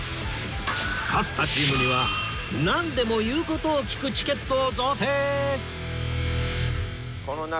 勝ったチームにはなんでも言う事を聞くチケットを贈呈